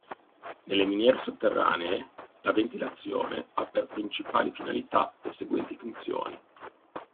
Nelle miniere sotterranee la ventilazione ha per principali finalità le seguenti funzioni.